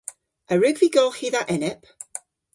A wrug vy golghi dha enep?